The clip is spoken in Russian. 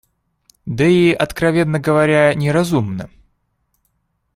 Да и, откровенно говоря, неразумно.